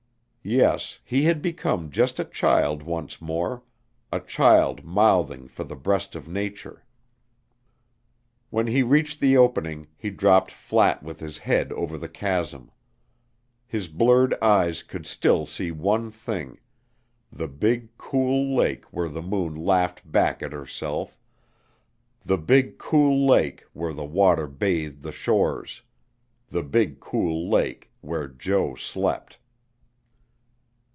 Yes, he had become just a child once more, a child mouthing for the breast of Nature. When he reached the opening he dropped flat with his head over the chasm. His blurred eyes could still see one thing the big, cool lake where the moon laughed back at herself, the big cool lake where the water bathed the shores, the big cool lake where Jo slept.